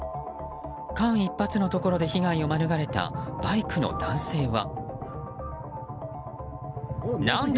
間一髪のところで被害を免れたバイクの男性は。